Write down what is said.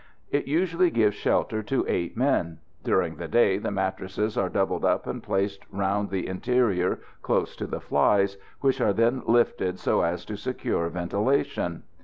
It usually gives shelter to eight men. During the day the mattresses are doubled up and placed round the interior close to the flies, which are then lifted so as to secure ventilation.